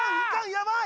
やばい！